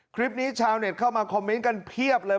คลิปนี้ชาวเน็ตเข้ามาคอมเมนต์กันเพียบเลย